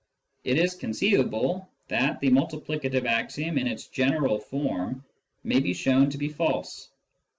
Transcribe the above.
It is conceivable that the multiplicative axiom in its general form may be shown to be false.